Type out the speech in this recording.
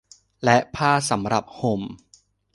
และผ้าสำหรับห่ม